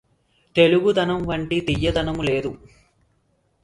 తెలుగుదనమువంటి తీయందనము లేదు